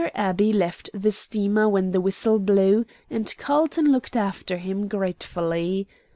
Abbey left the steamer when the whistle blew, and Carlton looked after him gratefully.